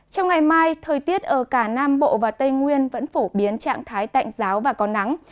trong ngày mai thời tiết ở cả nam bộ và tây nguyên vẫn phổ biến trạng thái tạnh giáo và có nắng